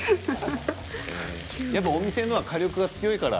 やっぱお店のは火力が強いから。